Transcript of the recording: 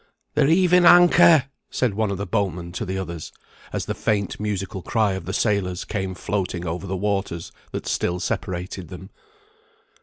"They're heaving anchor!" said one of the boatmen to the others, as the faint musical cry of the sailors came floating over the waters that still separated them.